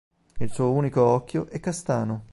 Il suo unico occhio è castano.